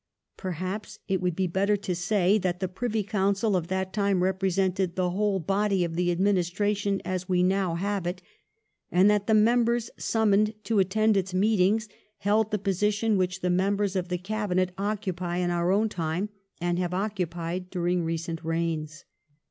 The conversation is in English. Perhaps it would be better to say that the Privy Council of that time represented the whole body of the administration as we now have it, and that the members summoned to attend its meetings held the position which the members of the Cabinet occupy in our own time and have occupied during recent reigns.